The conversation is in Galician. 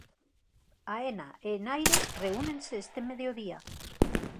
Aena e Enaire reúnense este mediodía.